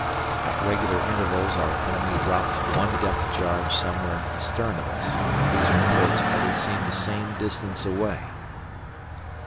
At regular intervals our enemy dropped one depth charge somewhere astern of us, but these reports always seemed the same distance away.